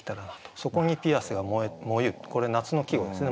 そこに「ピアスが炎ゆ」。これ夏の季語ですね